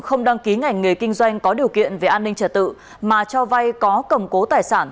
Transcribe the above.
không đăng ký ngành nghề kinh doanh có điều kiện về an ninh trả tự mà cho vay có cầm cố tài sản